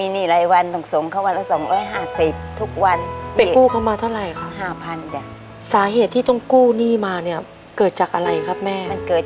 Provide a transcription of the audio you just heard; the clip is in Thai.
นี่เป็นหนี้เข้ามานี่